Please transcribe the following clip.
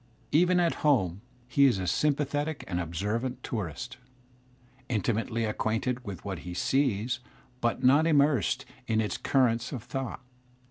fiven at home he is a sympathetic and observant tourist, intimately acquainted with what he sees but not immersed in its currents of thought.